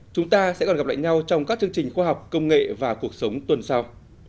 chúng ta sẽ còn gặp lại nhau trong các chương trình khoa học công nghệ và cuộc sống tuần sau